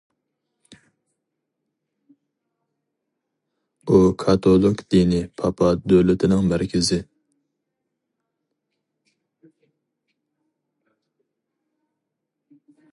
ئۇ كاتولىك دىنى پاپا دۆلىتىنىڭ مەركىزى.